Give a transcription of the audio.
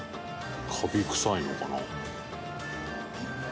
「カビくさいのかな？」